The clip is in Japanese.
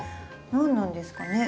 何なんですかね？